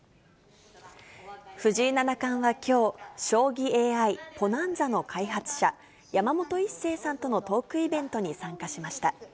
藤井七冠はきょう、将棋ＡＩ、ポナンザの開発者、山本一成さんとのトークイベントに参加しました。